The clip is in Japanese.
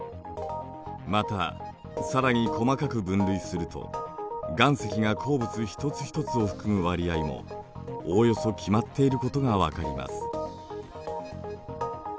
また更に細かく分類すると岩石が鉱物一つひとつを含む割合もおおよそ決まっていることが分かります。